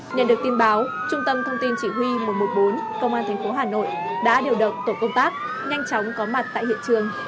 nhận được tin báo trung tâm thông tin chỉ huy một trăm một mươi bốn công an tp hà nội đã điều động tổ công tác nhanh chóng có mặt tại hiện trường